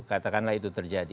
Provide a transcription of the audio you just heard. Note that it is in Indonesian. katakanlah itu terjadi